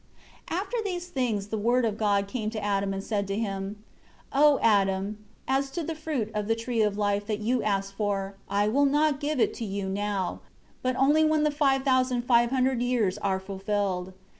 ..." 1 After these things the Word of God came to Adam, and said to him: 2 "O Adam, as to the fruit on the Tree of Life that you have asked for, I will not give it to you now, but only when the 5500 years are fulfilled.